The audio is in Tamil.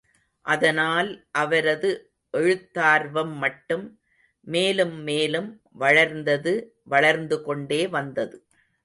அதனால் அவரது எழுத்தார்வம் மட்டும் மேலும் மேலும் வளர்ந்தது வளர்ந்து கொண்டே வந்தது.